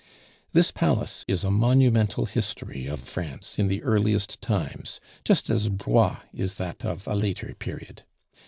This palace is a monumental history of France in the earliest times, just as Blois is that of a later period.